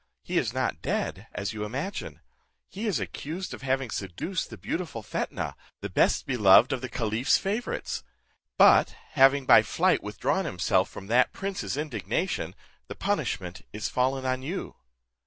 He is not dead, as you imagine. He is accused of having seduced the beautiful Fetnah, the best beloved of the caliph's favourites; but having, by flight, withdrawn himself from that prince's indignation, the punishment is fallen on you.